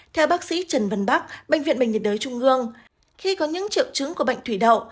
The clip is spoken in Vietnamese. theo bác sĩ trần vân bắc bệnh viện bệnh nhiệt đới trung ương khi có những triệu chứng của bệnh thủy đậu